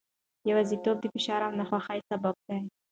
یوازیتوب د فشار او ناخوښۍ سبب دی.